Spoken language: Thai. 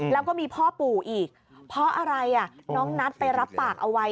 แล้วก็มีพ่อปู่อีกเพราะอะไรน้องนัทไปรับปากเอาไว้